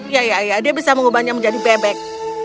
ya ya ya dia bisa mengubahnya menjadi bebek